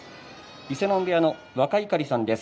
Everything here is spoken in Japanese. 伊勢ノ海部屋の若碇さんです。